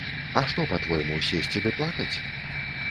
А што па-твойму, сесці ды плакаць?